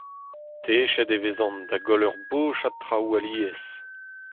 Techet e vezan da goll ur bochad traoù alies.